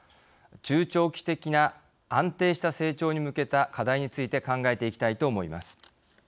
中長期的な安定した成長に向けた課題について考えていきたいと思います。